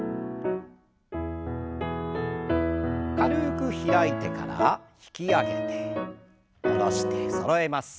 軽く開いてから引き上げて下ろしてそろえます。